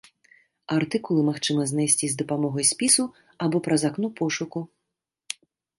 Артыкулы магчыма знайсці з дапамогай спісу або праз акно пошуку.